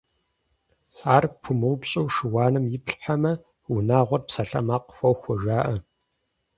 Ар пумыупщӀыу шыуаным иплъхьэмэ, унагъуэр псалъэмакъ хохуэ жаӀэ.